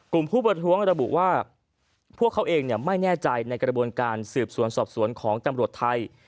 ผู้ประท้วงระบุว่าพวกเขาเองไม่แน่ใจในกระบวนการสืบสวนสอบสวนของตำรวจไทย